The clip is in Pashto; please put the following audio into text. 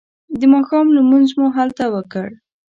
د ماښام لمونځ مو هلته وکړ.